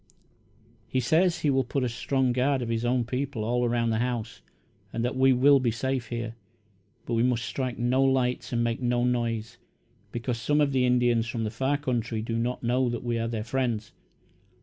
"He says he will put a strong guard of his own people all around the house and that we will be safe here, but we must strike no lights and make no noise, because some of the Indians from the far country do not know that we are their friends.